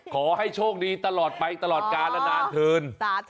ขอให้โชคดีตลอดไปตลอดกาลนานเถิน